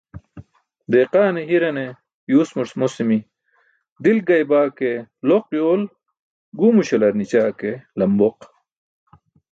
Deqaan hirane yuusmur mosimi: "dilk gaybaa ke loq yool guwmuśalar nićaa ke lambooq."